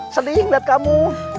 sedih nggak kamu